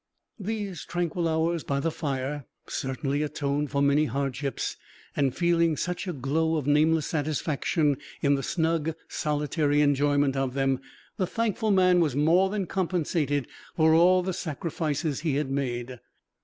These tranquil hours by the fire certainly atoned for many hardships, and feeling such a glow of nameless satisfaction in the snug, solitary enjoyment of them, the thankful man was more than compensated for all the sacrifices he had made.